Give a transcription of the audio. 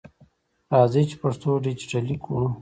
راځئ چې پښتو ډیجټالي کړو!